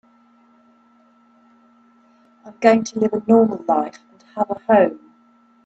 I'm going to live a normal life and have a home.